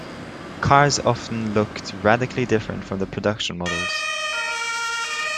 Cars often looked radically different from the production models.